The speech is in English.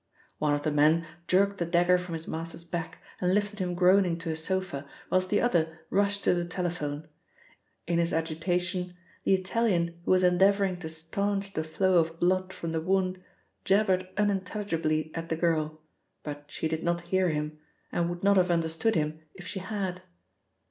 One of the men jerked the dagger from his master's back, and lifted him groaning to a sofa, whilst the other rushed to the telephone. In his agitation the Italian who was endeavouring to staunch the flow of blood from the wound, jabbered unintelligibly at the girl, but she did not hear him, and would not have understood him if she had.